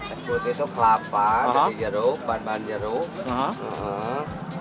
eskut itu kelapa dari jeruk bahan bahan jeruk